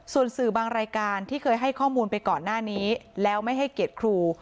ส่วนสื่อบางรายการที่เคยให้ข้อมูลไปก่อนหน้านี้แล้วไม่ให้เกียรติครู